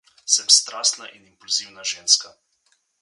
Sem strastna in impulzivna ženska.